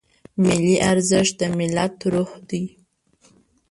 ملي ارزښت د ملت روح دی.